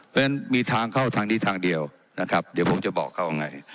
เพราะฉะนั้นมีทางเข้าทางนี้ทางเดียวนะครับเดี๋ยวผมจะบอกเขาเอาไง